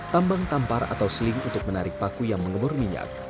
tambang tampar atau seling untuk menarik paku yang mengebor minyak